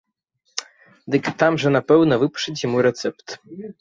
Дык там жа напэўна выпішуць яму рэцэпт!